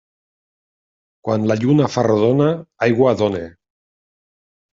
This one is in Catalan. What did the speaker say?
Quan la lluna fa rodona, aigua dóna.